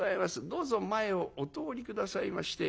どうぞ前をお通り下さいまして」。